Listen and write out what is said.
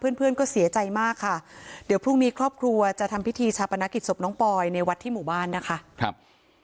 เพื่อนเพื่อนก็เสียใจมากค่ะเดี๋ยวพรุ่งนี้ครอบครัวจะทำพิธีชาปนกิจศพน้องปอยในวัดที่หมู่บ้านนะคะครับ